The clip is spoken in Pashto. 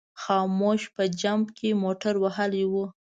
خاموش په جمپ کې موټر وهلی و.